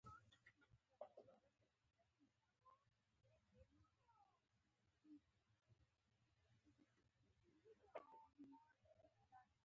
د دې بریا پایلې اټکل کړي.